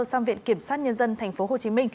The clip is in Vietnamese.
sang viện kiểm sát nhân dân tp hcm